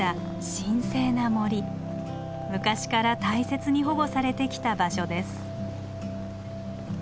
昔から大切に保護されてきた場所です。